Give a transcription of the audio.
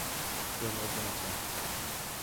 Fue muerto en acción.